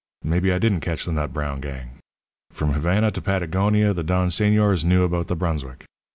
Maybe I didn't catch the nut brown gang! From Havana to Patagonia the Don Señors knew about the Brunswick.